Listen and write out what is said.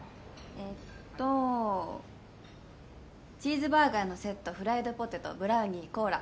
えっとチーズバーガーのセットフライドポテトブラウニーコーラ